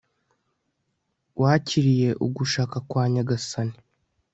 wakiriye ugushaka kwa nyagasani